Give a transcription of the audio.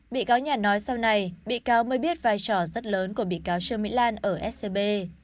bị cáo nhà nói sau này bị cáo mới biết vai trò rất lớn của bị cáo trương mỹ lan ở scb